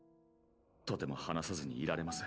とても話さずにいられません。